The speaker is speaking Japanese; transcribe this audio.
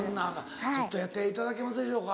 ちょっとやっていただけますでしょうか。